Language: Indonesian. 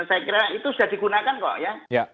saya kira itu sudah digunakan kok ya